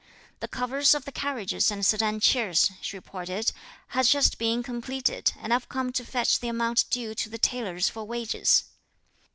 "The covers of the carriages and sedan chairs," she reported, "have just been completed, and I've come to fetch the amount due to the tailors for wages."